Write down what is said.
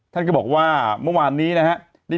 ท่านก็บอกว่าเมื่อวานนี้